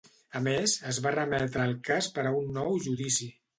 A més, es va remetre el cas per a un nou judici.